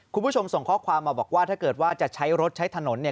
คุณผู้ชมส่งข้อความมาบอกว่าถ้าเกิดว่าจะใช้รถใช้ถนนเนี่ย